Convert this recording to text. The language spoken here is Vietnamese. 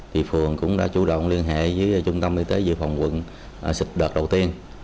thì phường cũng đã chủ động liên hệ với trung tâm y tế dự phòng quận đợt đầu tiên